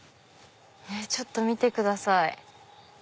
ちょっと見てください。